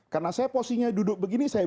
karena saya posisinya duduk begini saya